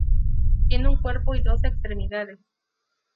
Tiene un cuerpo y dos extremidades.